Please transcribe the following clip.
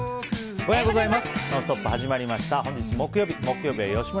おはようございます。